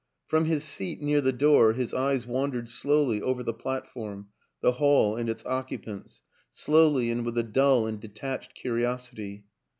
From his seat near the door his eyes wan dered slowly over the platform, the hall and its occupants slowly and with a dull and detached curiosity.